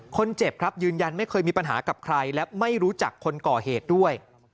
คนเจ็บครับยืนยันไม่เคยมีปัญหากับใครและไม่รู้จักคนก่อเหตุด้วย